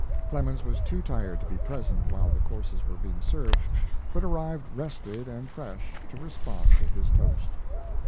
Clemens was too tired to be present while the courses were being served, but arrived rested and fresh to respond to his toast.